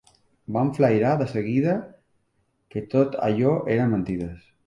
Vam flairar de seguida que tot allò eren mentides.